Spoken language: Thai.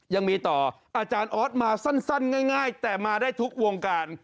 ยังมีต่ออาจารย์ออสมาสั้นง่ายแต่มาได้ทุกวงการ